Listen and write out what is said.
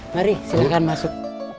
mari silahkan masuk